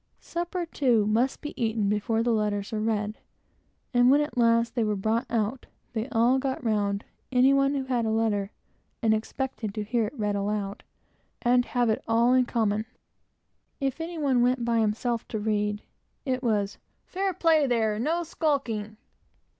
Supper, too, must be eaten before the letters were read; and when, at last, they were brought out, they all got round any one who had a letter, and expected to have it read aloud, and have it all in common. If any one went by himself to read, it was "Fair play, there; and no skulking!"